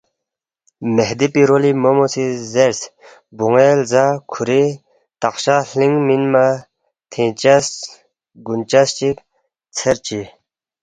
مہدی پی رولی مومو زیرس بونو ے لزالا کھوری تقشہ ہلینگ مینمہ تھینگ چس گونچس چک ژھیر چی،